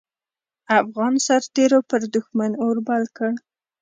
افغان سررتېرو پر دوښمن اور بل کړ.